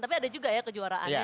tapi ada juga ya kejuaraannya